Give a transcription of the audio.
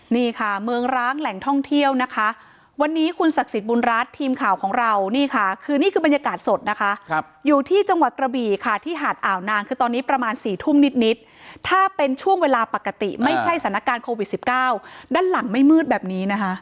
นี่ค่ะเมืองร้างแหล่งท่องเที่ยวนะคะวันนี้คุณศักดิ์สิทธิบุญรัฐทีมข่าวของเรานี่ค่ะคือนี่คือบรรยากาศสดนะคะอยู่ที่จังหวัดกระบี่ค่ะที่หาดอ่าวนางคือตอนนี้ประมาณ๔ทุ่มนิดถ้าเป็นช่วงเวลาปกติไม่ใช่สถานการณ์โควิด๑๙ด้านหลังไม่มืดแบบนี้นะคะ